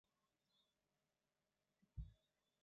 时年三十有九。